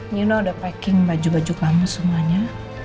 nyono udah packing baju baju kamu semuanya